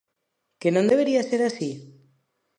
Que non debería ser así?